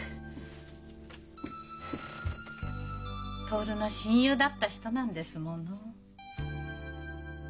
徹の親友だった人なんですもの。